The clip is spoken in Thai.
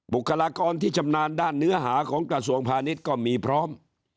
บุคลากรที่ชำนาญด้านเนื้อหาของกระทรวงพาณิชย์ก็มีพร้อม